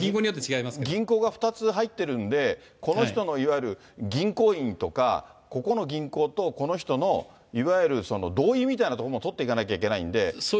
銀行が２つ入ってるんで、この人のいわゆる、銀行印とかここの銀行とこの人のいわゆる同意みたいなところも取おっしゃるとおりです。